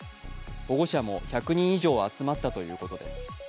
保護者も１００人以上、集まったということです。